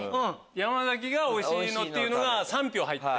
山崎がおいしいのっていうのが３票入って。